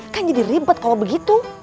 kan jadi ribet kalau begitu